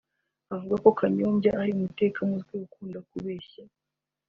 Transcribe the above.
Avuga ko Kayumba ari umuteka mutwe ukunda kubeshya